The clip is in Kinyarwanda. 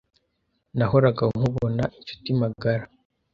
Nahoraga nkubona inshuti magara.